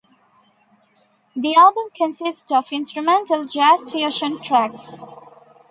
The album consists of instrumental jazz-fusion tracks.